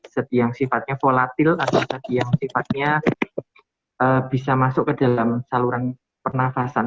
zat yang sifatnya volatil atau zat yang sifatnya bisa masuk ke dalam saluran pernafasan